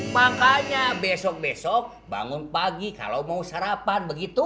makanya besok besok bangun pagi kalau mau sarapan begitu